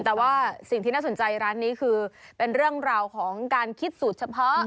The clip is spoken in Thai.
แต่ว่าสิ่งที่น่าสนใจร้านนี้คือเป็นเรื่องราวของการคิดสูตรเฉพาะ